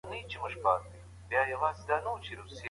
په بریتانیا کې دا پروژه روانه ده.